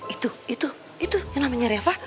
itu itu yang namanya reva